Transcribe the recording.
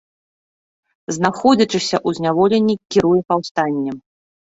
Знаходзячыся ў зняволенні, кіруе паўстаннем.